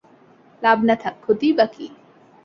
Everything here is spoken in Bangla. লাভ না থাক, ক্ষতিই বা কী?